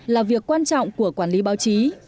là việc quan trọng của quản lý báo chí